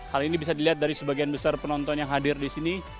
hal ini bisa dilihat dari sebagian besar penonton yang hadir di sini